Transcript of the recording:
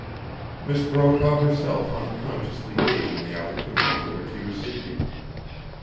Miss Brokaw herself unconsciously gave him the opportunity for which he was seeking.